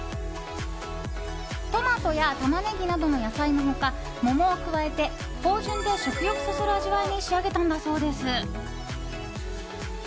トマトやタマネギなどの野菜の他桃を加えて芳醇で食欲そそる味わいに仕上げたのだそうです。